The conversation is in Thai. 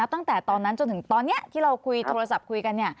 ตั้งแต่ตอนนั้นจนถึงตอนนี้ที่เราคุยโทรศัพท์คุยกัน